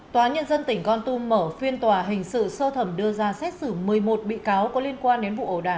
tòa nhân dân tỉnh con tum mở phiên tòa hình sự sơ thẩm đưa ra xét xử một mươi một bị cáo có liên quan đến vụ ẩu đà